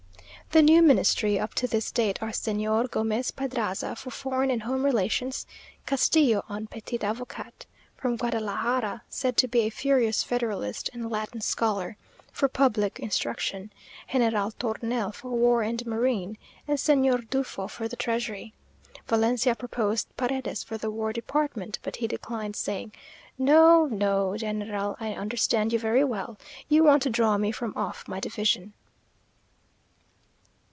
The new ministry, up to this date, are Señor Gomez Pedraza for Foreign and Home Relations; Castillo, un petit avocat from Guadalajara, said to be a furious federalist and Latin scholar, for Public Instruction; General Tornel for War and Marine; and Señor Dufoo for the Treasury. Valencia proposed Paredes for the War Department; but he declined, saying, "No, no, General I understand you very well. You want to draw me from off my division."